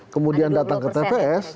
kemudian datang ke tps